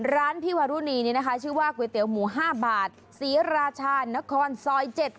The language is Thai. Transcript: ร้านพี่วารุณีนี้นะคะชื่อว่าก๋วยเตี๋ยวหมู๕บาทศรีราชานครซอย๗